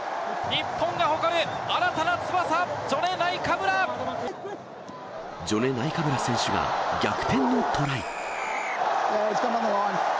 日本が誇る新たな翼、ジョネ・ナイカブラ選手が逆転のトライ。